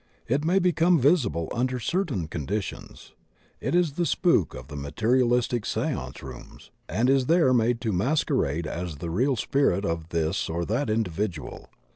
It may become visible under certain conditions. It is the spook of the spiritualistic seance rooms, and is there made to masquerade as the real spirit of this or that individual.